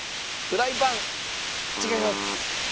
フライパン違います。